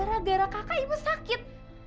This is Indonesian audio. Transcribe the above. gara gara kakak ibu sakit